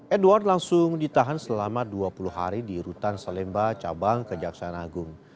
edward langsung ditahan selama dua puluh hari di rutan salemba cabang kejaksaan agung